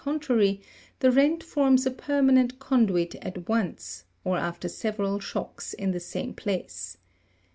105 contrary, the rent forms a permanent conduit at once, or after seve ral shocks in the same place.